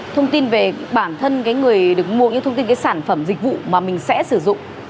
thông tin về bản thân cái người được mua những thông tin sản phẩm dịch vụ mà mình sẽ sử dụng